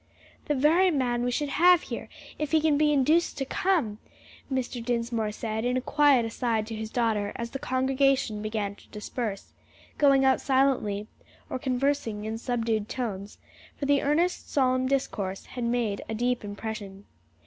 "The very man we should have here, if he can be induced to come," Mr. Dinsmore said in a quiet aside to his daughter as the congregation began to disperse, going out silently or conversing in subdued tones; for the earnest, solemn discourse had made a deep impression.